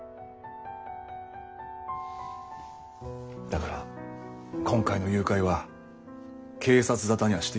だから今回の誘拐は警察沙汰にはしていない。